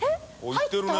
行ってるね。